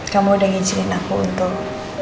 kamu udah ngisiin aku untuk